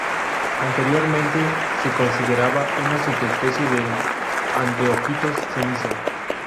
Anteriormente se consideraba una subespecie del anteojitos cenizo.